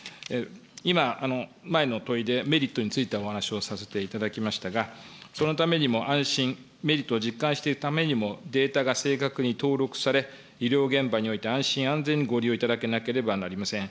今、前の問いで、メリットについてお話をさせていただきましたが、そのためにも安心、メリットを実感していただくためにも、データが正確に登録され、医療現場において安心、安全にご利用いただけなければなりません。